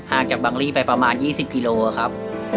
จากบังลี่ไปประมาณ๒๐กิโลครับ